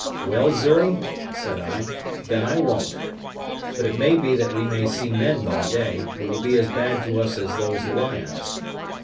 "Well, Xury," said I, "then I won't; but it may be that we may see men by day, who will be as bad to us as those lions."